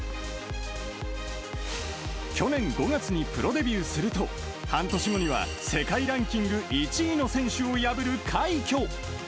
去年５月にプロデビューすると、半年後には世界ランキング１位の選手を破る快挙。